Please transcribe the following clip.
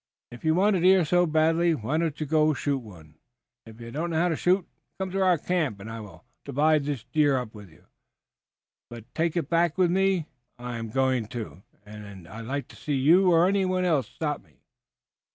If you want a deer so badly, why don't you go shoot one? If you don't know how to shoot, come to our camp and I will divide this deer with you. But take it back with me I am going to, and I'd like to see you or anyone else stop me."